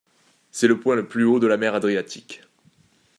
C'est le point le plus haut de la mer Adriatique.